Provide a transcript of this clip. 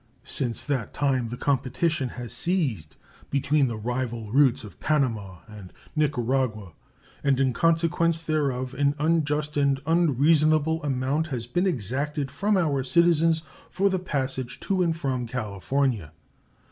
Since that time the competition has ceased between the rival routes of Panama and Nicaragua, and in consequence thereof an unjust and unreasonable amount has been exacted from our citizens for their passage to and from California.